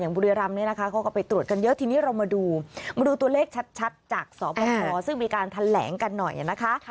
บุรีรำเนี่ยนะคะเขาก็ไปตรวจกันเยอะทีนี้เรามาดูมาดูตัวเลขชัดจากสบคซึ่งมีการแถลงกันหน่อยนะคะ